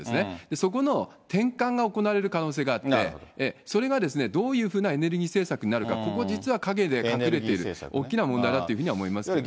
そこの転換が行われる可能性があって、それがどういうふうなエネルギー政策になるか、ここ、実は陰で隠れている、大きな問題だというふうには思いますけどね。